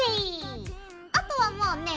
あとはもうね